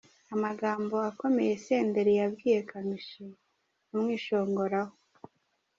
Amagambo akomeye Senderi yabwiye Kamichi amwishongoraho.